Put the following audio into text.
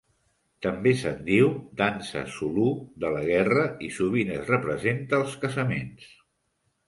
També se'n diu dansa zulu de la guerra i sovint es representa als casaments.